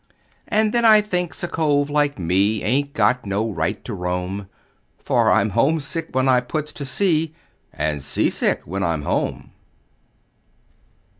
And then I thinks a cove like me Ain't got no right to roam; For I'm homesick when I puts to sea And seasick when I'm home.